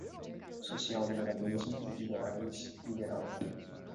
Social-liberalismo, liberais, liberal